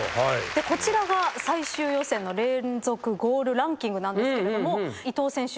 こちらが最終予選の連続ゴールランキングなんですけど伊東選手